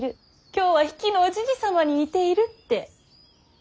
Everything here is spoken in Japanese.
今日は比企のおじじ様に似ているって。